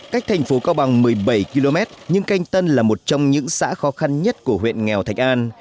cách thành phố cao bằng một mươi bảy km nhưng canh tân là một trong những xã khó khăn nhất của huyện nghèo thạch an